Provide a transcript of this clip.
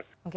oke ya baik